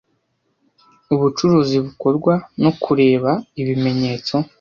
Ubucuruzi bukorwa no kureba, ibimenyetso,